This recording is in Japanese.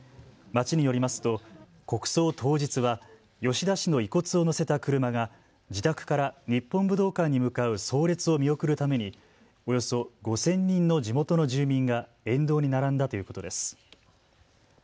町によりますと、国葬当日は吉田氏の遺骨を乗せた車が自宅から日本武道館に向かう葬列を見送るためにおよそ５０００人の地元の住民が沿道に並んだということです。